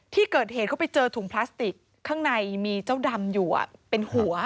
ที่เกิดเหตุเขาไปเจอถุงพลาสติกข้างในมีเจ้าดำอยู่เป็นหัว